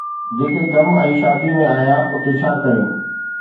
جتي غم ۽ شاديءَ ۾ آهيان، اتي ڇا ڪريون؟